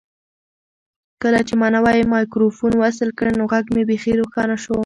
کله چې ما نوی مایکروفون وصل کړ نو غږ مې بیخي روښانه شو.